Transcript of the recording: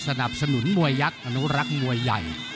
สนับสนุนมวยยักษ์อนุรักษ์มวยใหญ่